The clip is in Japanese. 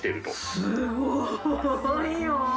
すごいよ！